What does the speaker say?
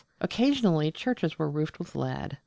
Occasionally churches were roofed with lead.